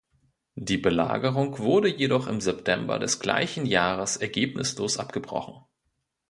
Die Belagerung wurde jedoch im September des gleichen Jahres ergebnislos abgebrochen.